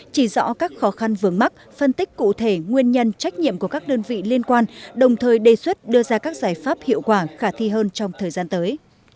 chỉ rõ các khó khăn vướng mắt phân tích cụ thể nguyên nhân trách nhiệm của các đơn vị liên quan đồng thời đề xuất đưa ra các giải pháp hiệu quả khả thi hơn trong thời gian tới